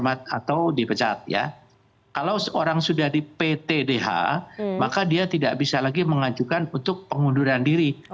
atau dipecat ya kalau seorang sudah di pt dh maka dia tidak bisa lagi mengajukan untuk pengunduran diri